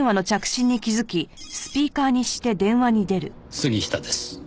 杉下です。